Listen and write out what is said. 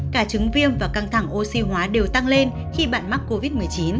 cả chứng viêm và căng thẳng oxy hóa đều tăng lên khi bạn mắc covid một mươi chín